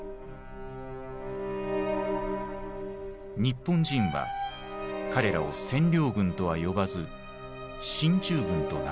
日本人は彼らを「占領軍」とは呼ばず「進駐軍」と名付けた。